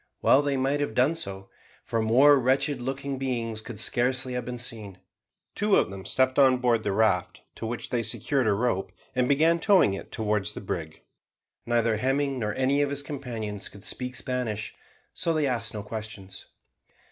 Well they might have done so; for more wretched looking beings could scarcely have been seen. Two of them stepped on board the raft, to which they secured a rope, and began towing it towards the brig. Neither Hemming nor any of his companions could speak Spanish, so they asked no questions.